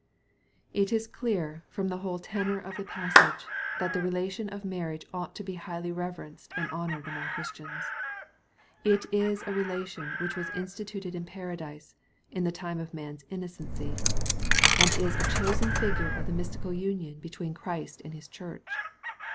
It is clear, from the whole tenor of the passage, that the relation of marriage ought to be highly reverenced and honored among Christians, It is a relation which was instituted in Paradise, in the time of man's innocency, and is a chosen figure of the mystical union between MATTHEW, CHAP. XIX. 235 Christ and His Church.